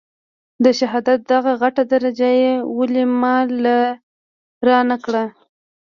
د شهادت دغه غټه درجه يې ولې ما له رانه کړه.